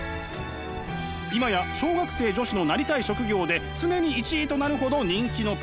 今や小学生女子のなりたい職業で常に１位となるほど人気のパティシエ。